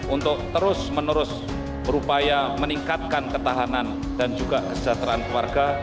untuk terus menerus berupaya meningkatkan ketahanan dan juga kesejahteraan keluarga